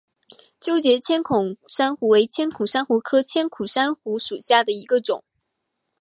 纠结千孔珊瑚为千孔珊瑚科千孔珊瑚属下的一个种。